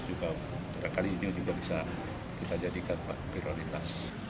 juga kali ini bisa dijadikan prioritas